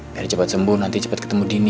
dari cepat sembuh nanti cepat ketemu dini